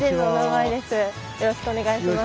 よろしくお願いします。